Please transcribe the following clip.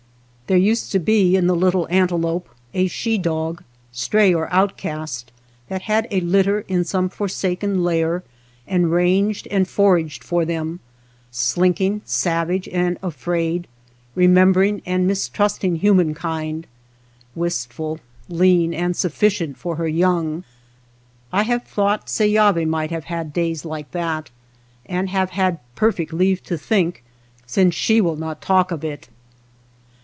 There used to be in the Little Antelope a she dog, stray or outcast, that had a lit ter in some forsaken lair, and ranged and foraged for them, slinking savage and afraid, remembering and mistrusting hu mankind, wistful, lean, and sufBcient for her young. I have thought Seyavi might have had days like that, and have had per fect leave to think, since she will not talk of it.